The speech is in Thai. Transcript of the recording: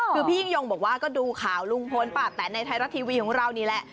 คือพี่ยิ่งยงบอกว่าก็ดูข่าวลุงพลปะแต่ในไทยรัฐทีวีของเรานี่แหละ